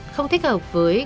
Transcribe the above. không thích hợp với